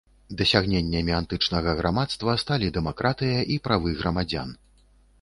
Дасягненнямі антычнага грамадства сталі дэмакратыя і правы грамадзян.